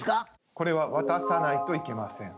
これは渡さないといけません。